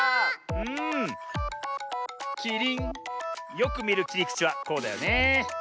よくみるきりくちはこうだよねえ。